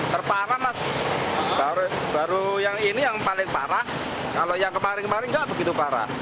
terparah mas baru yang ini yang paling parah kalau yang kemarin kemarin nggak begitu parah